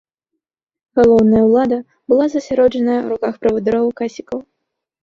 Галоўная ўлада была засяроджаная ў руках правадыроў-касікаў.